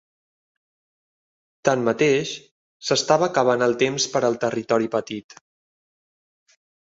Tanmateix, s'estava acabant el temps per al territori petit.